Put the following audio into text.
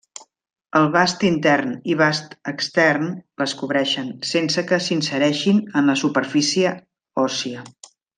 El vast intern i vast extern les cobreixen, sense que s'insereixin en la superfície òssia.